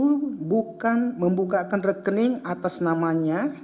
wiu bukan membuka rekening atas namanya